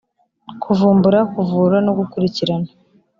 kuvumbura kuvura no gukurikirana